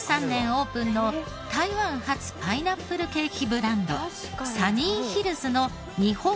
オープンの台湾発パイナップルケーキブランドサニーヒルズの日本